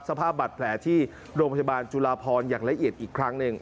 สภาพบัตรแผลที่โรงพยาบาลจุลาพรอย่างละเอียดอีกครั้งหนึ่ง